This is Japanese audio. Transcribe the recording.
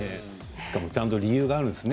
しかもちゃんと理由があるんですね。